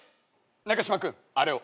中嶋君あれを。